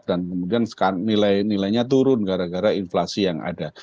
dan kemudian nilainya turun gara gara inflasi yang ada